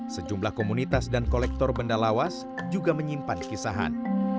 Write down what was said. sejumlah komunitas dan kolektor benda lawas juga menyimpan kisahan